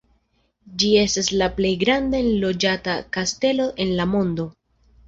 Ĝi estas la plej granda enloĝata kastelo en la mondo.